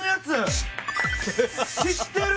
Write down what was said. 知ってる！